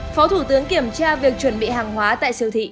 phó thủ tướng kiểm tra việc chuẩn bị hàng hóa tại siêu thị